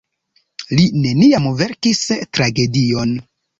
Li neniam verkis tragedion.